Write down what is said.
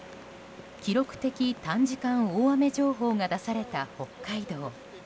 記録的短時間大雨情報が出された北海道。